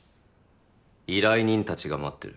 依頼人たちが待ってる。